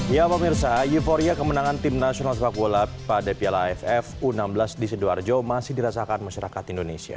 ya pemirsa euforia kemenangan tim nasional sepak bola pada piala aff u enam belas di sidoarjo masih dirasakan masyarakat indonesia